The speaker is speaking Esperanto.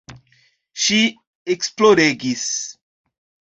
Ŝi ekploregis.